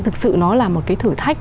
thực sự nó là một cái thử thách